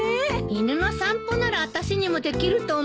犬の散歩ならあたしにもできると思ったんだけど。